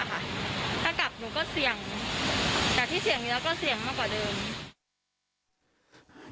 ถ้ากลับหนูก็เสี่ยงจากที่เสี่ยงอยู่แล้วก็เสี่ยงมากกว่าเดิม